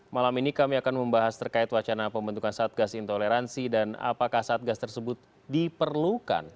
malam ini kami akan membahas terkait wacana pembentukan satgas intoleransi dan apakah satgas tersebut diperlukan